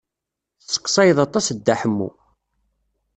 Tesseqsayeḍ aṭas Dda Ḥemmu.